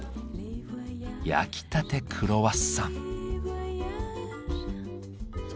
焼きたてクロワッサン。